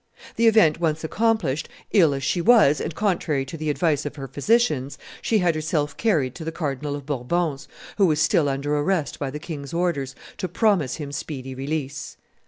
The event once accomplished, ill as she was, and contrary to the advice of her physicians, she had herself carried to the Cardinal of Bourbon's, who was still under arrest by the king's orders, to promise him speedy release.